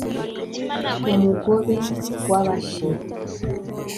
Ku mugobe w' Abashi